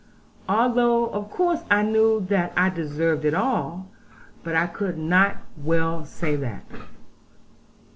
Although of course I knew that I deserved it all, but I could not well say that.